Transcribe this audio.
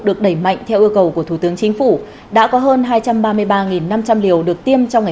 được đẩy mạnh theo yêu cầu của thủ tướng chính phủ đã có hơn hai trăm ba mươi ba năm trăm linh liều được tiêm trong ngày